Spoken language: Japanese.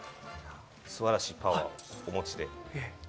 素晴らしいパワーをお持ちで。